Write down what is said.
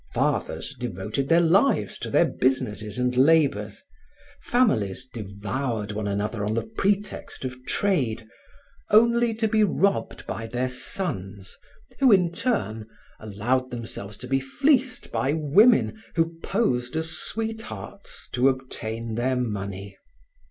Fathers devoted their lives to their businesses and labors, families devoured one another on the pretext of trade, only to be robbed by their sons who, in turn, allowed themselves to be fleeced by women who posed as sweethearts to obtain their money.